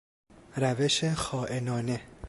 روش خائنانه